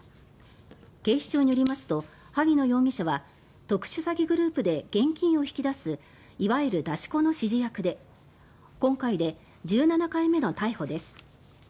警視庁によりますと萩野容疑者は特殊詐欺グループで現金を引き出すいわゆる出し子の指示役で今回で１７回目の逮捕です。